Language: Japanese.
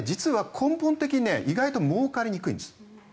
根本的には意外ともうかりにくいんです。